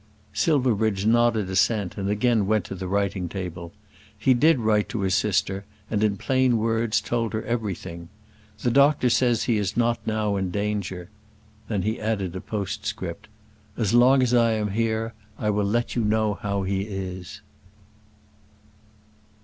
Silverbridge nodded assent and again went to the writing table. He did write to his sister, and in plain words told her everything. "The doctor says he is not now in danger." Then he added a postscript. "As long as I am here I will let you know how he is."